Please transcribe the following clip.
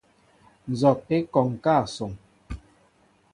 Nzog e kɔŋ ká assoŋ.